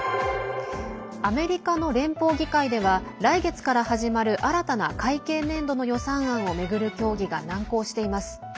アメリカの連邦議会では来月から始まる新たな会計年度の予算案を巡る協議が難航しています。